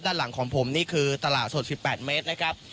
ด้านหลังของผมนี่คือตลาดสด๑๘เมตรนะครับ